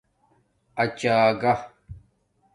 اچݳگہ